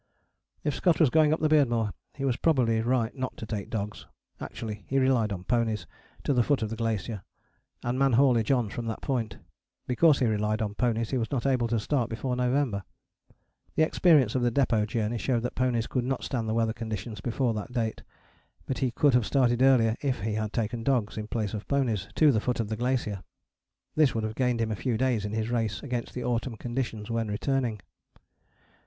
If Scott was going up the Beardmore he was probably right not to take dogs: actually he relied on ponies to the foot of the glacier and man haulage on from that point. Because he relied on ponies he was not able to start before November: the experience of the Depôt Journey showed that ponies could not stand the weather conditions before that date. But he could have started earlier if he had taken dogs, in place of ponies, to the foot of the glacier. This would have gained him a few days in his race against the autumn conditions when returning.